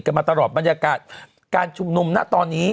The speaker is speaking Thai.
ก็ติดกันมาตลอดบรรยากาศการชุมนุมตอนนี้